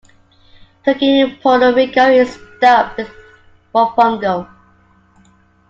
Turkey in Puerto Rico is stuffed with mofongo.